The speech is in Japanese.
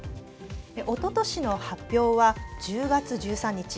おととしの発表は１０月１３日。